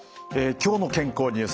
「きょうの健康ニュース」です。